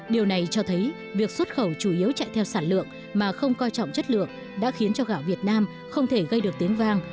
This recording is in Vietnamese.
điều này cho thấy việc xuất khẩu chủ yếu chạy theo sản lượng mà không coi trọng chất lượng đã khiến cho gạo việt nam không thể gây được tiếng vang